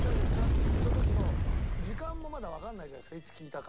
っつった時の時間もまだわかんないじゃないですかいつ聞いたか。